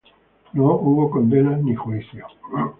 No hubo condenas, ni juicios.